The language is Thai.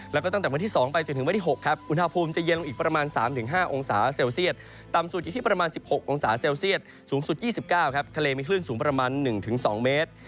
แล้วก็ตั้งแต่วันที่๒ไปจนถึงวันที่๖ครับอุณหภูมิจะเย็นลงอีกประมาณ๓๕องศาเซลเซียตต่ำสุดอยู่ที่ประมาณ๑๖องศาเซลเซียตสูงสุด๒๙ครับทะเลมีคลื่นสูงประมาณ๑๒เมตร